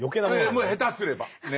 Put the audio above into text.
ええ下手すればね。